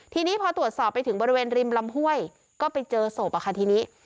ทีนี้พอตรวจสอบไปถึงบริเวณริมลำห้วยก็ไปเจอศพอะค่ะทีนี้